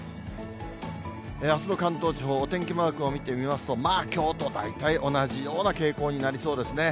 あすの関東地方、お天気マークを見てみますと、まあきょうと大体同じような傾向になりそうですね。